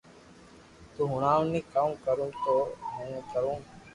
تو ھڻاٽو ني ڪاو ڪرو تو ھون ڪرو